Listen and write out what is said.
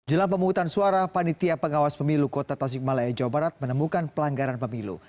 jelang pemungutan suara panitia pengawas pemilu kota tasikmalaya jawa barat menemukan pelanggaran pemilu